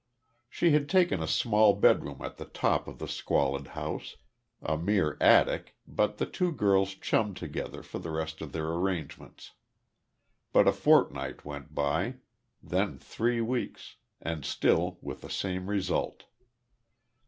She had taken a small bedroom at the top of the squalid house a mere attic, but the two girls "chummed" together for the rest of their arrangements. But a fortnight went by, then three weeks, and still with the same result.